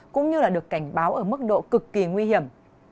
cũng như là được cảnh báo ở mức độ cực kỳ nguy hiểm